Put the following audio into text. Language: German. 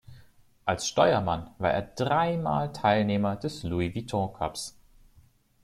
Als Steuermann war er dreimal Teilnehmer des Louis Vuitton Cups.